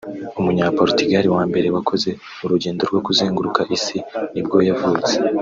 umunya-Portugal wa mbere wakoze urugendo rwo kuzenguruka isi nibwo yavutse